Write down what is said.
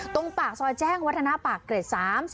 ปากซอยแจ้งวัฒนาปากเกร็ด๓๐